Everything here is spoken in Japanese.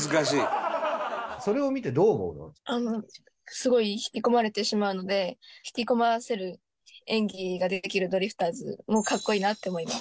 すごい引き込まれてしまうので引き込ませる演技ができるドリフターズも格好いいなって思います。